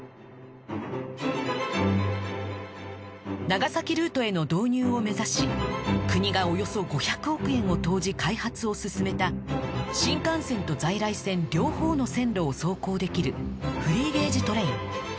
長崎ルートへの導入を目指し国がおよそ５００億円を投じ開発を進めた新幹線と在来線両方の線路を走行できるフリーゲージトレイン